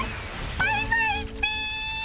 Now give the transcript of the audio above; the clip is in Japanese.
バイバイっピ。